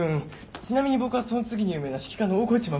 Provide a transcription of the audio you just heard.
ちなみに僕はその次に有名な指揮科の大河内守。